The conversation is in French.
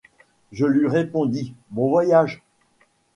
Je lui répondis : Bon voyage !